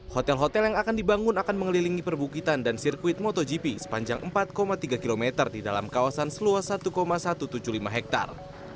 hotel hotel yang akan dibangun akan mengelilingi perbukitan dan sirkuit motogp sepanjang empat tiga km di dalam kawasan seluas satu satu ratus tujuh puluh lima hektare